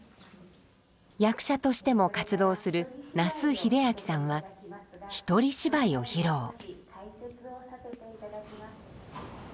役者としても活動する那須英彰さんは、一人芝居を披露。